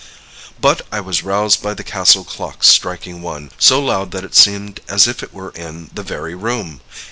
"But I was roused by the castle clock striking one, so loud that it seemed as if it were in the very room.